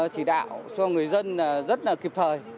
chỉ đạo cho người dân rất là kịp thời